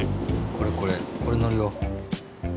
これこれこれのるよ。